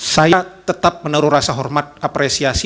saya tetap menaruh rasa hormat apresiasi